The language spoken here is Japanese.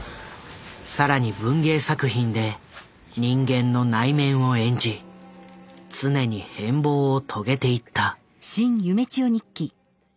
更に文芸作品で人間の内面を演じ常に変貌を遂げていった。